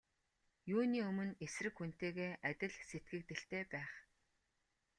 Юуны өмнө эсрэг хүнтэйгээ адил сэтгэгдэлтэй байх.